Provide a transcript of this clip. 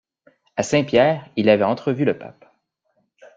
A Saint-Pierre, il avait entrevu le pape.